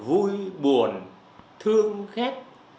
vui buồn thương ghét